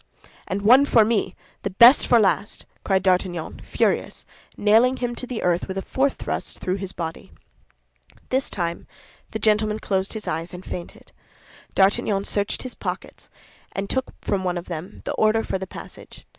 "And one for me—the best for last!" cried D'Artagnan, furious, nailing him to the earth with a fourth thrust through his body. This time the gentleman closed his eyes and fainted. D'Artagnan searched his pockets, and took from one of them the order for the passage.